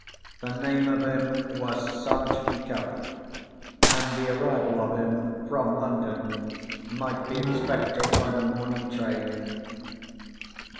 The name of him was Sergeant Cuff; and the arrival of him from London might be expected by the morning train.